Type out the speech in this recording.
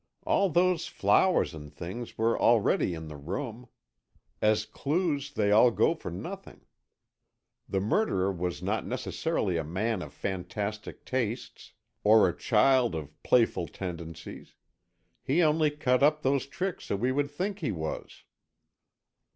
All those flowers and things were already in the room. As clues, they all go for nothing. The murderer was not necessarily a man of fantastic tastes or a child of playful tendencies, he only cut up those tricks so we would think he was."